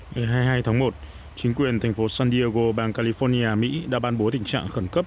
ngày hai mươi hai tháng một chính quyền thành phố san diego bang california mỹ đã ban bố tình trạng khẩn cấp